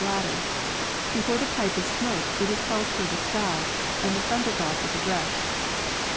nT bladder. Before the pipe is smoked it is held toward the sky, and the thunder god is addressed.